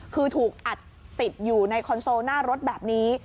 คือถูกอัดติดอยู่ในคอนโซลหน้ารถแบบนี้